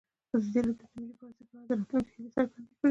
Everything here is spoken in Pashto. ازادي راډیو د مالي پالیسي په اړه د راتلونکي هیلې څرګندې کړې.